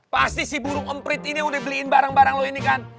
pasti si burung emprit ini udah beliin barang barang lo ini kan